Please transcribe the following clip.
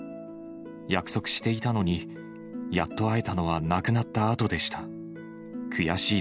約束していたのに、やっと会えたのは亡くなったあとでした。